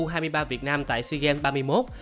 u hai mươi ba việt nam tại sea games ba mươi một